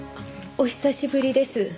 お久しぶりです。